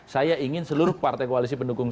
saya ingin seluruh partai koalisi pendukung